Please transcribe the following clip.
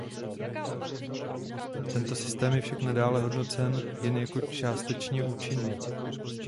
Tento systém je však nadále hodnocen jen jako částečně účinný.